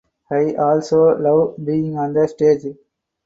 I also love being on the stage.